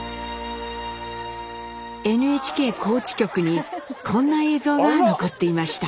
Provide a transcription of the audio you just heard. ＮＨＫ高知局にこんな映像が残っていました。